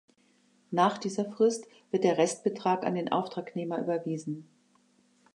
Nach dieser Frist wird der Restbetrag an den Auftragnehmer überwiesen.